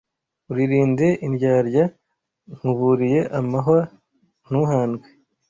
Uririnde indyarya Nkuburiye amahwa ntuhandwe